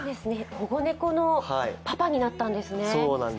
保護猫のパパになったんですね。